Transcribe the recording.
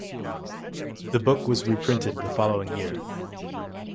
The book was reprinted the following year.